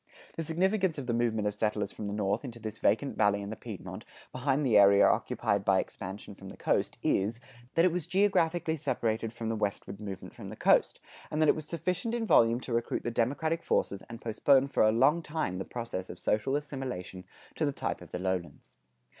The significance of the movement of settlers from the North into this vacant Valley and Piedmont, behind the area occupied by expansion from the coast is, that it was geographically separated from the westward movement from the coast, and that it was sufficient in volume to recruit the democratic forces and postpone for a long time the process of social assimilation to the type of the lowlands.